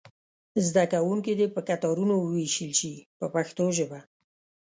زده کوونکي دې په کتارونو وویشل شي په پښتو ژبه.